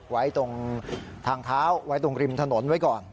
ไว้ตรงทางเท้าไว้ตรงริมถนนไว้ก่อน